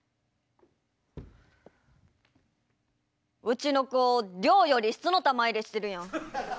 うちの子量より質の玉入れしてるやん。